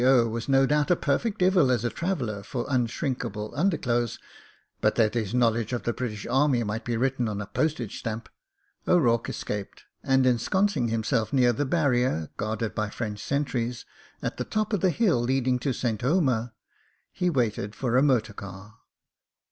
O. was no doubt a perfect devil as a traveller for unshrinkable underclothes, but that his knowledge of the British Army might be written on a postage stamp, O'Rourke escaped, and ensconcing him self near the barrier, guarded by French sentries, at the top of the hill leading to St. Omer, he waited for a motor car.